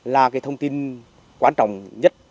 là cái thông tin quan trọng nhất